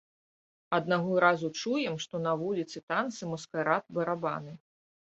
Аднаго разу чуем, што на вуліцы танцы, маскарад, барабаны.